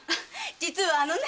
実はあのね。